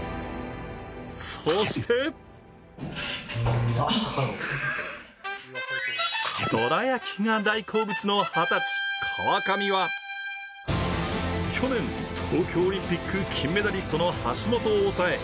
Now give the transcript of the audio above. そして、どら焼きが大好物の二十歳川上は去年、東京オリンピック金メダリストの橋本を抑え